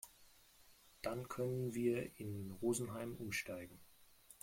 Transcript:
Dann können wir in Rosenheim umsteigen.